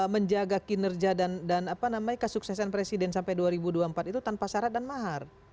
menjaga kinerja dan kesuksesan presiden sampai dua ribu dua puluh empat itu tanpa syarat dan mahar